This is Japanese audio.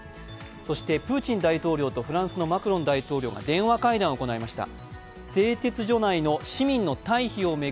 そしてプーチン大統領とフランスのマクロン大統領が電話会談を行いました。